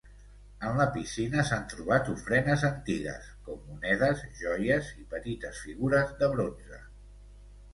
En la piscina s'han trobat ofrenes antigues, com monedes, joies i petites figures de bronze.